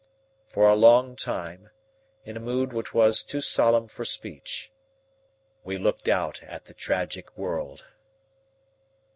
For a long time, in a mood which was too solemn for speech, we looked out at the tragic world.